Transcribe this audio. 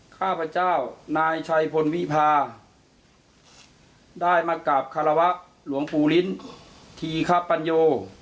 ข้าพเจ้านายชัยพลวิพาได้มากราบคารวะหลวงปู่ลิ้นทีคปัญโย